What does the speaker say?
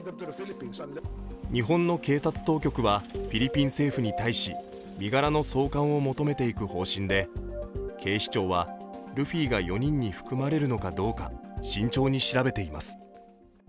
日本の警察当局はフィリピン政府に対し身柄の送還を求めていく方針で、警視庁は、ルフィが４人に含まれるのかどうか慎重に調べています。